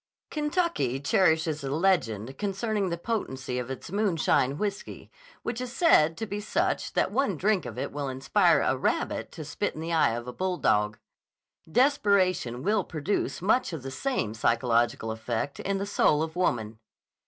Kentucky cherishes a legend concerning the potency of its moonshine whiskey which is said to be such that one drink of it will inspire a rabbit to spit in the eye of a bulldog. Desperation will produce much the same psychological effect in the soul of woman.